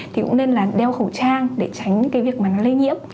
thì cũng nên là đeo khẩu trang để tránh việc lây nhiễm